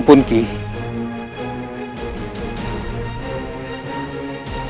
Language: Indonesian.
kau tidak bisa menggambarimu